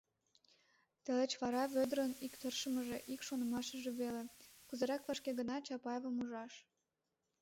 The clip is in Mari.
Тылеч вара Вӧдырын ик тыршымыже, ик шонымашыже веле — кузерак вашке гына Чапаевым ужаш.